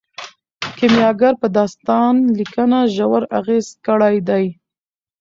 کیمیاګر په داستان لیکنه ژور اغیز کړی دی.